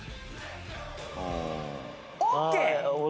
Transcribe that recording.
オーケー！